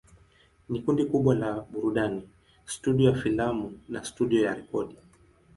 Ni kundi kubwa la burudani, studio ya filamu na studio ya rekodi.